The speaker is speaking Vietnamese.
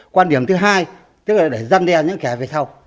quan điểm thứ hai tức là để dân đeo những kẻ về sau